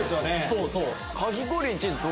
そうそう。